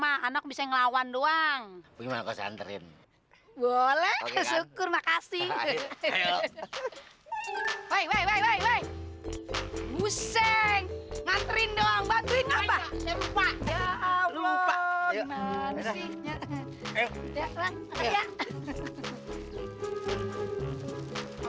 anak bisa ngelawan doang gimana kesan terim boleh syukur makasih hai hai hai hai hai